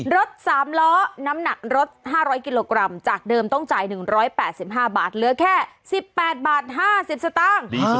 รถ๓ล้อน้ำหนักรถ๕๐๐กิโลกรัมจากเดิมต้องจ่าย๑๘๕บาทเหลือแค่๑๘บาท๕๐สตางค์